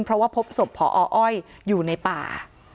เพราะว่าพบศพพออ้อยอยู่ในป่า